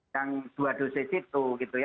yang dua dosis itu